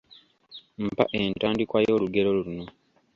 Mpa entandikwa y’olugero luno.